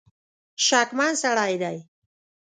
شکمن سړی دی.